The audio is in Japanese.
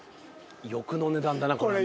欲の値段だなこれもう。